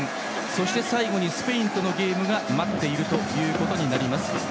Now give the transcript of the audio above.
そして、最後にスペインとのゲームが待っていることになっています。